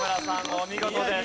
お見事です。